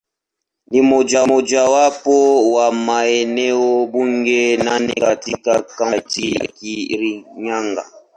Ni mojawapo wa maeneo bunge manne katika Kaunti ya Kirinyaga.